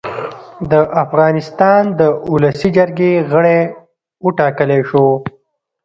د افغانستان د اولسي جرګې غړی اوټاکلی شو